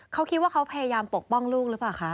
เขาคิดว่าเขาพยายามปกป้องลูกหรือเปล่าคะ